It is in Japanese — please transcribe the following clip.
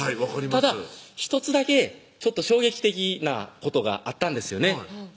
ただ１つだけ衝撃的なことがあったんですよね